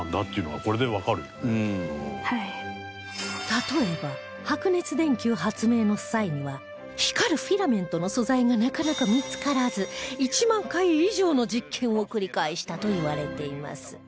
例えば白熱電球発明の際には光るフィラメントの素材がなかなか見付からず１万回以上の実験を繰り返したといわれています